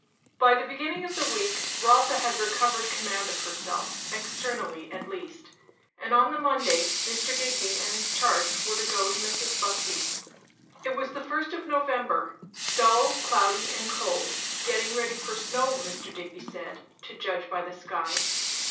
By the beginning of the week Rotha had recovered command of herself, externally at least; and on the Monday Mr. Digby and his charge were to go to Mrs. Busby's. It was the first of November; dull, cloudy and cold; getting ready for snow, Mr. Digby said, to judge by the sky.